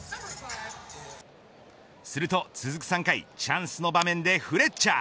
すると続く３回チャンスの場面でフレッチャー。